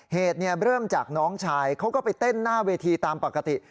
เหตุเริ่มจากน้องชายเขาก็ไปเต้นหน้าเวทีตามปกติ